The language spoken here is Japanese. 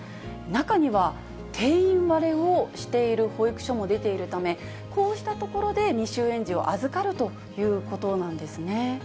中には、定員割れをしている保育所も出ているため、こうした所で未就園児を預かるということなんですね。